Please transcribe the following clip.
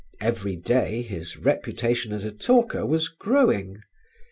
Every day his reputation as a talker was growing.